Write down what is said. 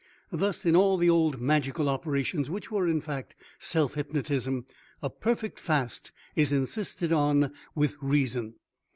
Thus in all the old magical operations, which were, in fact, self hypnotism, a perfect fast is insisted on with reason.